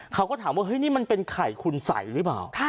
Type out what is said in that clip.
เขาก็ถามว่าเฮ้ยนี่มันเป็นไข่คุณสัยหรือเปล่า